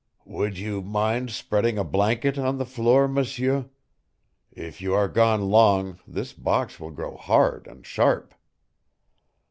"Would you mind spreading a blanket on the floor, M'seur? If you are gone long this box will grow hard and sharp."